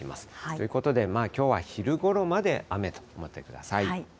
ということで、きょうは昼ごろまで雨と思ってください。